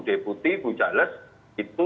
deputi bu jales itu